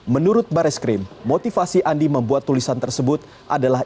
menurut baris krim motivasi andi membuat tulisan tersebut adalah